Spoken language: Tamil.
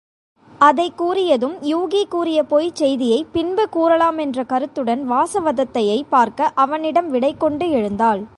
அதைக் கூறியதும் யூகி கூறிய பொய்ச் செய்தியைப் பின்பு கூறலாமென்ற கருத்துடன் வாசவதத்தையைப் பார்க்க அவனிடம் விடைகொண்டு எழுந்தாள்.